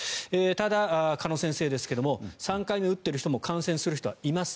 ただ、鹿野先生ですが３回目打っている人でも感染する人はいます。